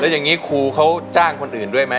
อย่างนี้ครูเขาจ้างคนอื่นด้วยไหม